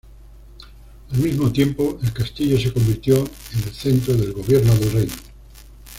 Al mismo tiempo, el castillo se convirtió en el centro del gobierno del reino.